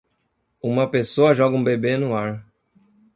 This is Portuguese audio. Uma pessoa joga um bebê no ar.